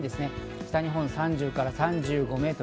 北日本は３０から３５メートル。